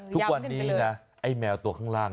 ทุกวันนี้นะไอ้แมวตัวข้างล่าง